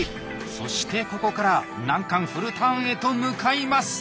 そしてここから難関フルターンへと向かいます。